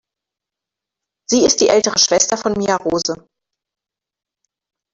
Sie ist die ältere Schwester von Mia Rose.